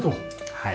はい。